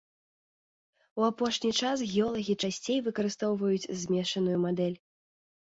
У апошні час геолагі часцей выкарыстоўваюць змешаную мадэль.